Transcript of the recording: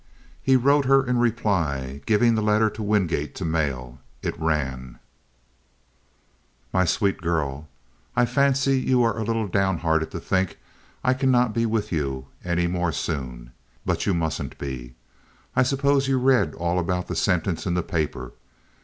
He wrote her in reply, giving the letter to Wingate to mail. It ran: My sweet girl:—I fancy you are a little downhearted to think I cannot be with you any more soon, but you mustn't be. I suppose you read all about the sentence in the paper.